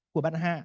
của bạn hạ